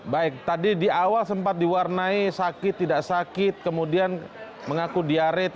baik tadi di awal sempat diwarnai sakit tidak sakit kemudian mengaku diaret